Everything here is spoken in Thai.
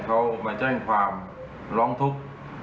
เขามาแจ้งความร้องทุกข์